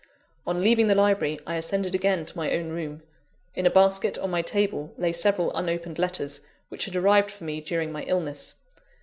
On leaving the library, I ascended again to my own room. In a basket, on my table, lay several unopened letters, which had arrived for me during my illness.